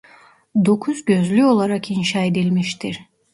Dokuz gözlü olarak inşa edilmiştir.